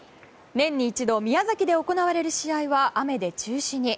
年に一度、宮崎で行われる試合は雨で中止に。